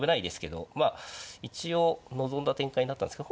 まあ一応望んだ展開になったんですけど。